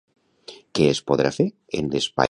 Què es podrà fer en l'espai gastronòmic?